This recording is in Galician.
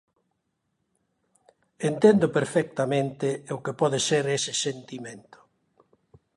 Entendo perfectamente o que pode ser ese sentimento.